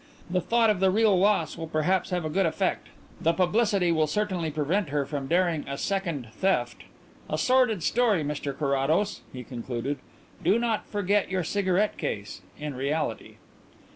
The thought of the real loss will perhaps have a good effect; the publicity will certainly prevent her from daring a second 'theft.' A sordid story, Mr Carrados," he concluded. "Do not forget your cigarette case in reality."